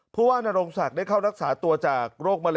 เพราะว่านโรงศักดิ์ได้เข้ารักษาตัวจาก